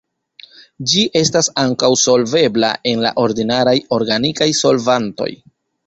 Ĝi estas ankaŭ solvebla en la ordinaraj organikaj solvantoj.